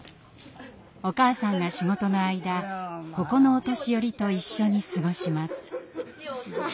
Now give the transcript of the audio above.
お母さんが仕事の間ここのお年寄りと一緒に過ごします。